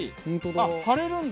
あっ貼れるんだ。